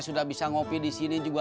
sudah bisa ngopi di sini juga